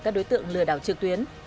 các đối tượng lừa đảo trực tuyến